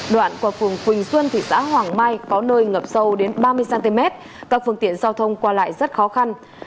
đoạn qua phường quỳnh xuân thị xã hoàng mai có nơi ngập sâu đến ba mươi cm các phương tiện giao thông qua lại rất khó khăn